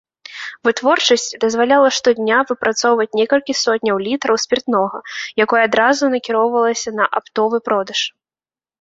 Вытворчасць дазваляла штодня выпрацоўваць некалькі сотняў літраў спіртнога, якое адразу накіроўвалі на аптовы продаж.